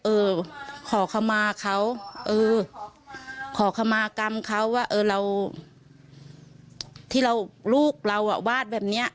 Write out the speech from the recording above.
เออขอคำมาเขาขอคำมากรรมเขาว่าเออที่ลูกเราวาดแบบนี้